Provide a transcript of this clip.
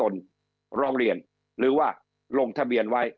เลยครับ